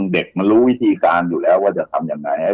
เด็กมันรู้วิธีการอยู่แล้วว่าจะทำยังไง